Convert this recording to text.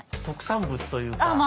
特産物というか。